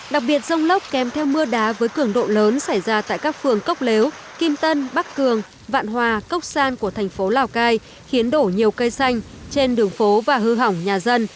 đặc biệt rông lốc kèm theo mưa đá với cường độ lớn xảy ra tại các phường cốc lếu kim tân bắc cường vạn hòa cốc san của thành phố lào cai khiến đổ nhiều cây xanh trên đường phố và hư hỏng nhà dân